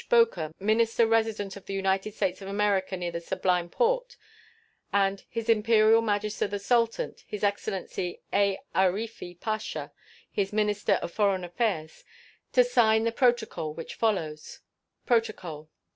Boker, minister resident of the United States of America near the Sublime Porte, and His Imperial Majesty the Sultan, His Excellency A. Aarifi Pasha, his minister of foreign affairs, to sign the protocol which follows: PROTOCOL.